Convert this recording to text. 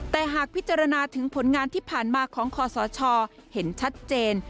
แต่หากพิจารณาถึงผลงานที่ผ่านมาของคอสชเห็นชัดเจน